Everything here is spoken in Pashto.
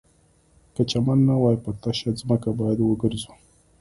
که چمن نه وي په تشه ځمکه باید وګرځو